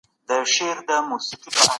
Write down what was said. د حج په مابينځ کي مي خپلي غونډې جوړي کړې.